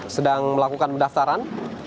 sedang melakukan pendaftaran